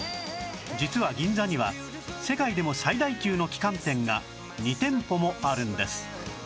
実は銀座には世界でも最大級の旗艦店が２店舗もあるんです！